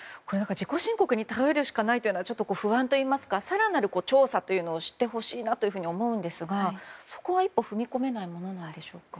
自己申告に頼るしかないというのは不安があるといいますか更なる調査というのをしてほしいなと思いますがそこは一歩踏み込めないものなんでしょうか。